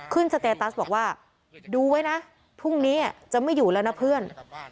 สเตตัสบอกว่าดูไว้นะพรุ่งนี้จะไม่อยู่แล้วนะเพื่อน